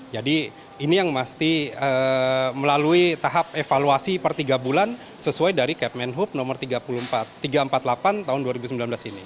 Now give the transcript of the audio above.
jadi ini yang mesti melalui tahap evaluasi per tiga bulan sesuai dari kepmenhub no tiga ratus empat puluh delapan tahun dua ribu sembilan belas ini